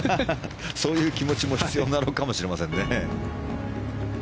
そういう気持ちも必要なのかもしれませんね。